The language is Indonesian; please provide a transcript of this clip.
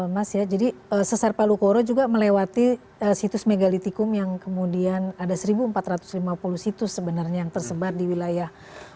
mas ya jadi sesar palu koro juga melewati situs megalitikum yang kemudian ada seribu empat ratus lima puluh situs sebenarnya yang tersebar di wilayah